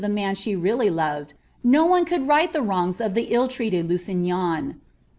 31 the man she really loved, no one could riglit the wrongs of the ill tmted Liwignan.